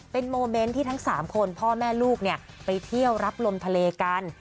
เป็นโมเมนต์ที่ทั้ง๓คนพ่อแม่ลูกไปเที่ยวรับลมทะเลกัน